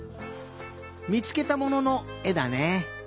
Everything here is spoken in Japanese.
みつけたもののえだね。